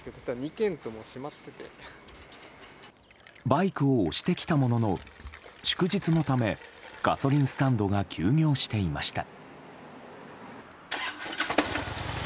バイクを押してきたものの祝日のためガソリンスタンドが休業していました。